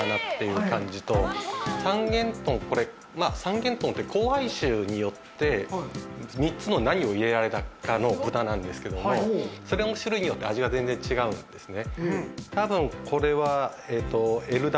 三元豚は交配種によって３つの何を入れられたかの豚なんですけれど、種類によって味が違うんですね。